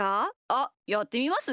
あっやってみます？